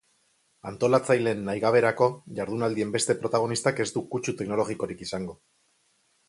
Antolatzaileen nahigaberako, jardunaldien beste protagonistak ez du kutsu teknologikorik izango.